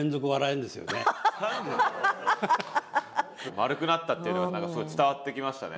丸くなったっていうのが伝わってきましたね。